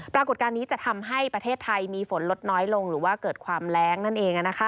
ปรากฏการณ์นี้จะทำให้ประเทศไทยมีฝนลดน้อยลงหรือว่าเกิดความแรงนั่นเอง